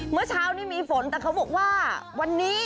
เมื่อเช้านี้มีฝนแต่เขาบอกว่าวันนี้